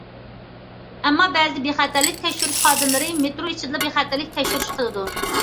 ئەمما، بەزىدە بىخەتەرلىك تەكشۈرۈش خادىملىرى مېترو ئىچىدىلا بىخەتەرلىك تەكشۈرۈشى قىلىدۇ.